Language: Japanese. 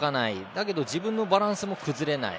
だけど自分のバランスも崩れない。